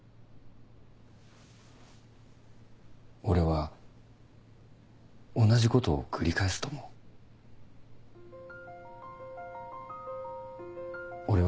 俺は同じことを繰り返すと思う。